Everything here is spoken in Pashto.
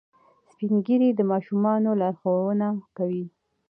سپین ږیری د ماشومانو لارښوونه کوي